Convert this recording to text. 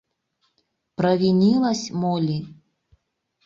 Провинилась моли?..